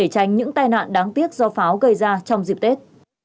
tránh những tai nạn đáng tiếc do pháo gây ra trong dịp tết